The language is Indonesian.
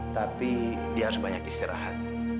tapi dia harus banyak istirahat